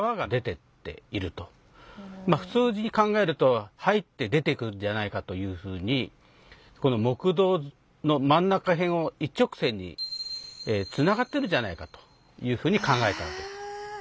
普通に考えると入って出てくんじゃないかというふうにこの木道の真ん中へんを一直線につながってるんじゃないかというふうに考えたわけです。